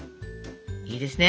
いいですね。